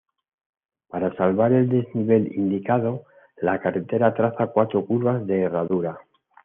Para salvar el desnivel indicado, la carretera traza cuatro curvas de herradura.